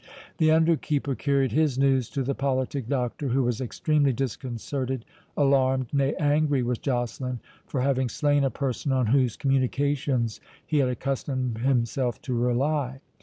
The under keeper carried his news to the politic Doctor, who was extremely disconcerted, alarmed, nay angry with Joceline, for having slain a person on whose communications he had accustomed himself to rely.